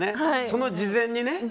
その事前にね。